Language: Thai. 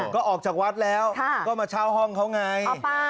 ก็ออกจากวัดแล้วก็มาเช่าห้องเขาไง